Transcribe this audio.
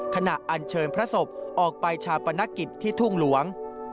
อันเชิญพระศพออกไปชาปนกิจที่ทุ่งหลวง